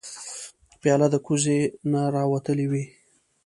پیاله د کوزې نه راوتلې وي.